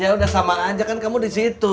ya udah sama aja kan kamu disitu